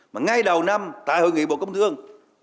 mà ngay đầu năm tại hội nghị bộ công thương